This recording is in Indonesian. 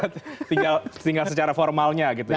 tinggal secara formalnya gitu ya